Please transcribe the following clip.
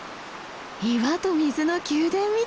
岩と水の宮殿みたい。